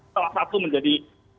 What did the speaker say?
salah satu menjadi